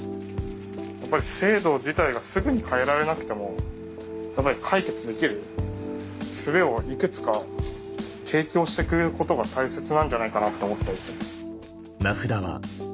やっぱり制度自体がすぐに変えられなくても解決できるすべをいくつか提供してくれることが大切なんじゃないかなって思ったりする。